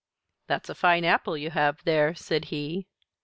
"That's a fine apple you have there," said he.